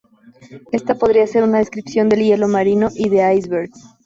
Esta podría ser una descripción del hielo marino y de icebergs.